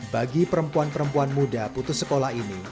bagi perempuan perempuan muda putus sekolah ini